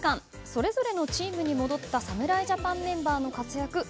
それぞれのチームに戻った侍ジャパンメンバーの活躍を